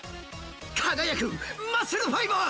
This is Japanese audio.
かがやくマッスルファイバー！